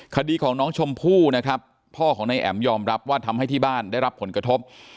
คดีของน้องชมพู่นะครับพ่อของนายแอ๋มยอมรับว่าทำให้ที่บ้านได้รับผลกระทบ